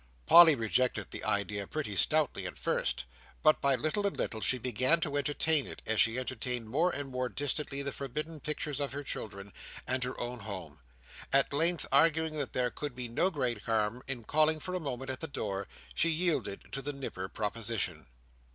Polly rejected the idea pretty stoutly at first; but by little and little she began to entertain it, as she entertained more and more distinctly the forbidden pictures of her children, and her own home. At length, arguing that there could be no great harm in calling for a moment at the door, she yielded to the Nipper proposition.